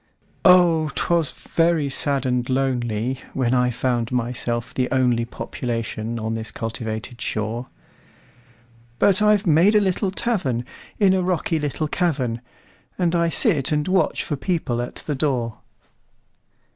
Oh! 'twas very sad and lonelyWhen I found myself the onlyPopulation on this cultivated shore; But I've made a little tavernIn a rocky little cavern, And I sit and watch for people at the door.